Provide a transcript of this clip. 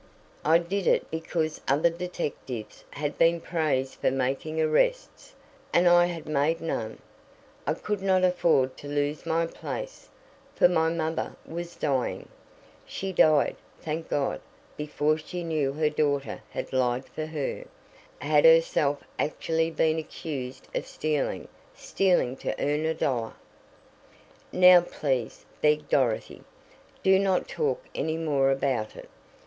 I did it because other detectives had been praised for making arrests, and I had made none. I could not afford to lose my place, for my mother was dying. She died, thank God, before she knew her daughter had lied for her, had herself actually been accused of stealing stealing to earn a dollar!" "Now, please," begged Dorothy, "do not talk any more about it.